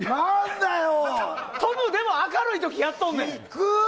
トムでも明るい時やってるねん。